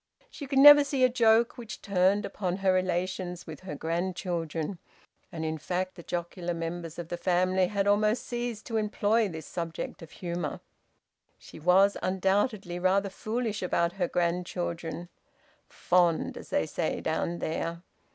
She could never see a joke which turned upon her relations with her grandchildren, and in fact the jocular members of the family had almost ceased to employ this subject of humour. She was undoubtedly rather foolish about her grandchildren `fond,' as they say down there.